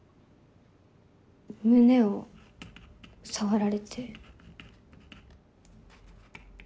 胸を触られて。